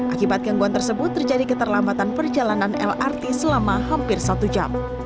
akibat gangguan tersebut terjadi keterlambatan perjalanan lrt selama hampir satu jam